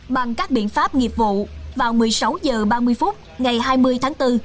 bằng các biện pháp nghiệp vụ vào một mươi sáu h ba mươi phút ngày hai mươi tháng bốn